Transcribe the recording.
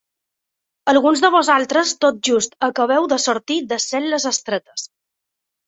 Alguns de vosaltres tot just acabeu de sortir de cel·les estretes.